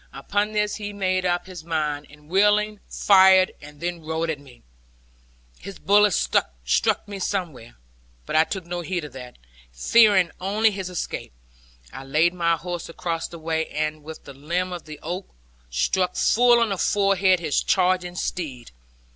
Upon this he made up his mind; and wheeling, fired, and then rode at me. His bullet struck me somewhere, but I took no heed of that. Fearing only his escape, I laid my horse across the way, and with the limb of the oak struck full on the forehead his charging steed.